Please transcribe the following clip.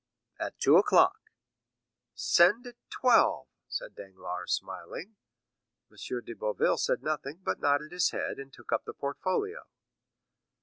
"At two o'clock." "Send at twelve," said Danglars, smiling. M. de Boville said nothing, but nodded his head, and took up the portfolio.